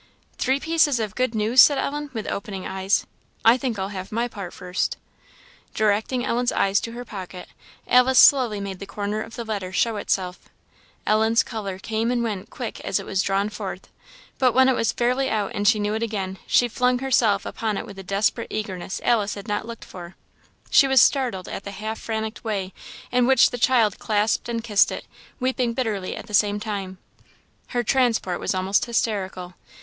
"Three pieces of good news!" said Ellen, with opening eyes; "I think I'll have my part first." Directing Ellen's eyes to her pocket, Alice slowly made the corner of the letter show itself. Ellen's colour came and went quick as it was drawn forth; but when it was fairly out, and she knew it again, she flung herself upon it with a desperate eagerness Alice had not looked for; she was startled at the half frantic way in which the child clasped and kissed it, weeping bitterly at the same time. Her transport was almost hysterical.